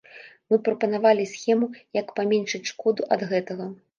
Мы прапанавалі схему, як паменшыць шкоду ад гэтага.